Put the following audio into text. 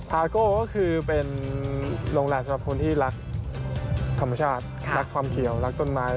อาโก้ก็คือเป็นโรงแรมสำหรับคนที่รักธรรมชาติรักความเขียวรักต้นไม้